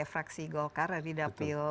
fraksi golkar radhidapil